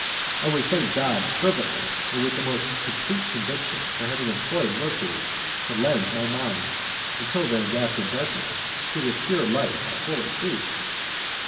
I would thank God fervently and with the most complete conviction for having employed Mercury to lead my mind, until then wrapped in darkness, to the pure light of holy truth!